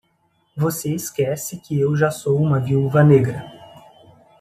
Você esquece que eu já sou uma viúva negra.